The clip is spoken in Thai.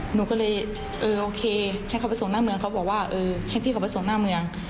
หนูก็เลยเออโอเคให้เขาไปส่งหน้าเมืองเขาบอกว่าเออให้พี่เขาไปส่งหน้าเมือง